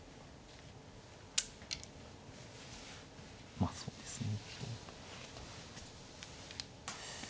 まあそうですね。